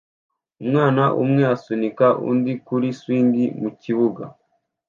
Umwana umwe asunika undi kuri swing mukibuga